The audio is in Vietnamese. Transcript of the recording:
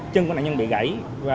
chân nạn nhân bị gãy